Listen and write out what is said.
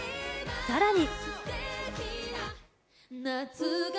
さらに。